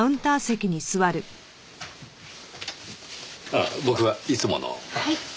ああ僕はいつものを。はい。